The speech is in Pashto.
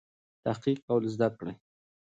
تحقیق کول زده کړئ.